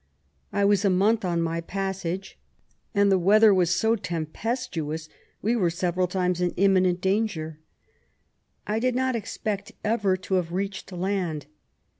I was a month on^my passage, and the weather was so tempestaons we were several times in imminent danger. I did not expect ever to have reached land.